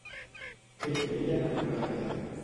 Què feia en arribar allà?